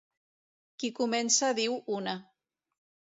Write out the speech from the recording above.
Qui comença diu una.